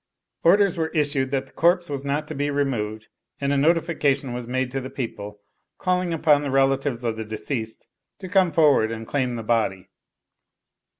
Orders were issued that the corpse was not to be removed, and a notification was made to the people, calling upon the relatives of the deceased to come forward and claim the body.